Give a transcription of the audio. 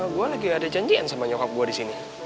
gue lagi ada janjian sama nyokap gue disini